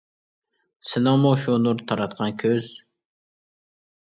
سېنىڭمۇ شۇ نۇر تاراتقان كۆز؟ !